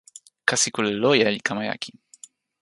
kasi kule loje li kama jaki.